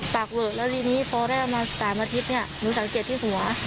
ปากเวอะแล้วทีนี้พอได้มา๓อาทิตย์หนูสังเกตที่หัว